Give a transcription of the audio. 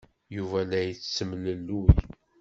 Yuba la yettemlelluy.